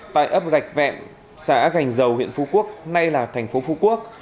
tại ấp gạch vẹn xã gành dầu huyện phú quốc nay là thành phố phú quốc